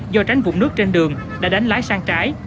do tránh vụn nước trên đường đã đánh lái sang trái